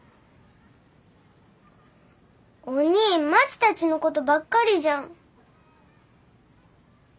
おにぃまちたちのことばっかりじゃん。